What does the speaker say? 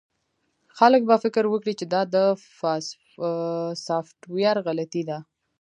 خلک به فکر وکړي چې دا د سافټویر غلطي ده